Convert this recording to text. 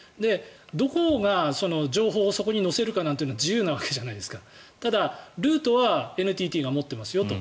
どこが情報をそこに乗せるかなんていうのは自由なわけじゃないですかただ、ルートはＮＴＴが持っていますよと。